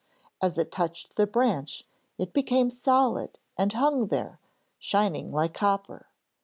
As it touched the branch it became solid and hung there, shining like copper.